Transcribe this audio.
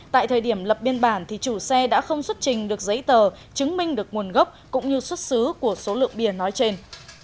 tại thời điểm lập biên bản thì chủ xe đã không xuất trình được giấy tờ chứng minh được nguồn gốc cũng như xuất xứ của số lượng bia nói trên